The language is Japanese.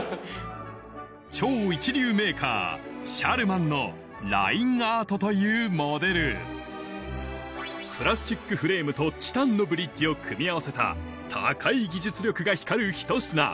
超一流メーカーシャルマンのラインアートというモデルプラスチックフレームとチタンのブリッジを組み合わせた高い技術力が光るひと品